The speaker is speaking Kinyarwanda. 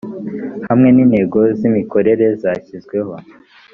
hamwe n intego z imikorere zashyizweho